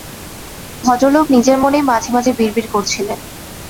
ভদ্রলোক নিজের মনেই মাঝেমাঝে বিড়বিড় করছিলেন।